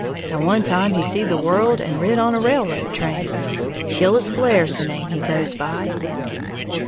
And one time he seed the world and rid on a railroad train. Killis Blair's the name he goes by."